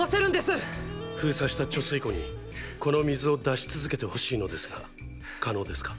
封鎖した貯水庫にこの水を出し続けてほしいのですが可能ですか？